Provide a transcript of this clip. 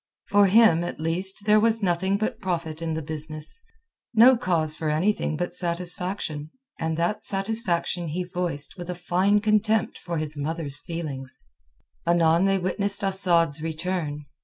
For him, at least, there was nothing but profit in the business, no cause for anything but satisfaction; and that satisfaction he voiced with a fine contempt for his mother's feelings. Anon they witnessed Asad's return.